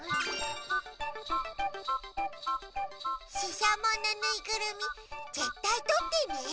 ししゃものぬいぐるみぜったいとってね。